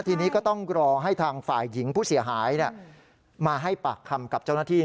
ทีนี้ก็ต้องรอให้ทางฝ่ายหญิงผู้เสียหายมาให้ปากคำกับเจ้าหน้าที่